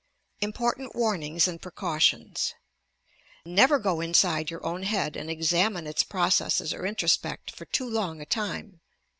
IMPORTANT WARNINGS AND PRECAUTIONS Never go inside your own head and examine its pro cesses or introspect for too long a time.